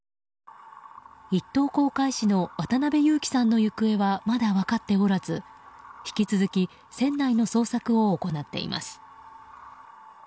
一等航海士の渡辺侑樹さんの行方はまだ分かっておらず引き続き船内の捜索を行っています。